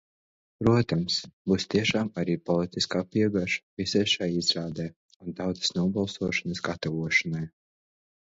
Protams, būs tiešām arī politiskā piegarša visai šai izrādei un tautas nobalsošanas gatavošanai.